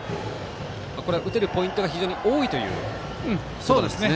打てるポイントが非常に多いということなんですね。